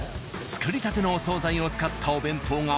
作りたてのお惣菜を使ったお弁当が。